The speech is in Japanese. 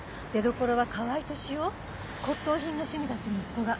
骨董品が趣味だって息子が。